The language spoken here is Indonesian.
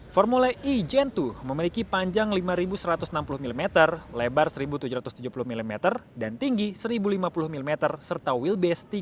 formula e gen dua memiliki panjang lima satu ratus enam puluh mm lebar satu tujuh ratus tujuh puluh mm dan tinggi satu lima puluh mm serta wheel based